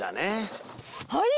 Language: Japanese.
はい！